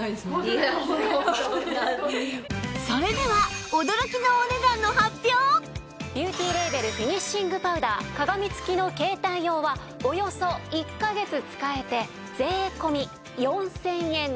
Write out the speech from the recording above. それではビューティーレーベルフィニッシングパウダー鏡付きの携帯用はおよそ１カ月使えて税込４０００円です。